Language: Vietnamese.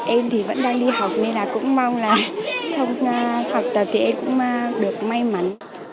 em thì vẫn đang đi học nên là cũng mong là trong học tập thì em cũng được may mắn